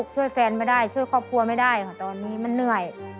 เส้นฝอย